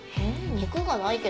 肉がないけど。